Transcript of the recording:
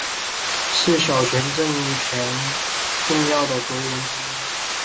是小泉政权重要的阁员之一。